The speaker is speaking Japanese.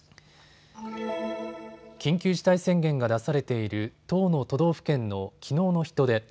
緊急事態宣言が出されている１０の都道府県のきのうの人出。